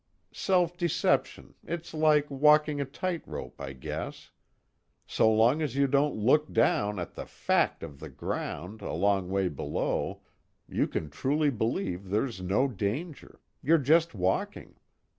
Self deception, it's like walking a tightrope, I guess: so long as you don't look down at the fact of the ground a long way below, you can truly believe there's no danger, you're just walking.